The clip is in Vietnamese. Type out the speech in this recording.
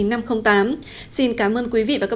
mọi ý kiến đóng góp xin quý khán giả gửi về hòm thư